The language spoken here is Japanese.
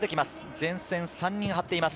前線３人、張っています。